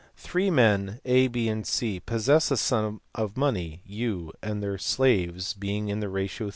Three men A, B, C, possess a sum of money u, their shares being in the ratio 3:2:1.